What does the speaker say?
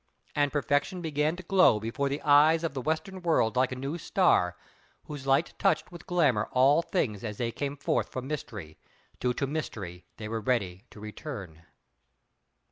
And Perfection began to glow before the eyes of the Western world like a new star, whose light touched with glamour all things as they came forth from Mystery, till to Mystery they were ready to return.